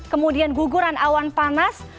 kemudian guguran awan panas